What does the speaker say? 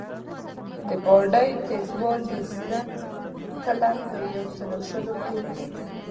د ګاډۍ تېزوالي ستن کله په یو سلو شلو کې وه.